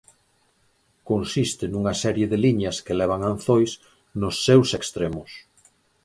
Consiste nunha serie de liñas que levan anzois nos seus extremos.